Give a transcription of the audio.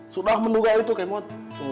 sudah menduga itu kemot